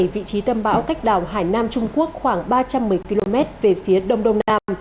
vị trí tâm bão cách đảo hải nam trung quốc khoảng ba trăm một mươi km về phía đông đông nam